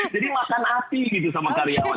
jadi makan hati gitu sama karyawan